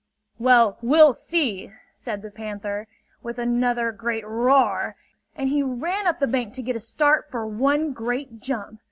"Well, we'll see!" said the panther, with another great roar; and he ran up the bank to get a start for one great jump.